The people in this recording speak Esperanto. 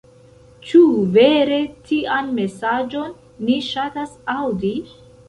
Ĉu vere tian mesaĝon ni ŝatas aŭdi?